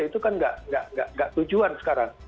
itu kan nggak tujuan sekarang